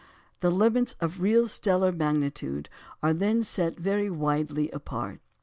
The limits of real stellar magnitude are then set very widely apart.